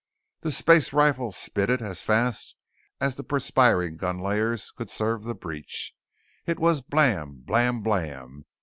The space rifle spitted as fast as the perspiring gun layers could serve the breech. It was Blam! Blam! Blam!